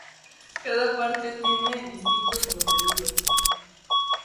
Cada parte tiene distintos contenidos.